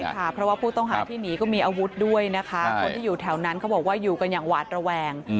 ค่ะเพราะว่าผู้ต้องหาที่หนีก็มีอาวุธด้วยนะคะคนที่อยู่แถวนั้นเขาบอกว่าอยู่กันอย่างหวาดระแวง